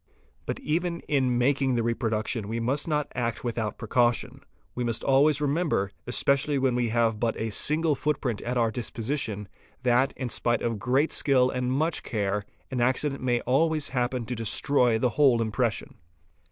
But even in making the reproduction we must not act without pre caution. We must always remember, especially when we have but a i single footprint at our disposition, that, in spite of great skill and much care, an accident may always happen to destroy the whole impression.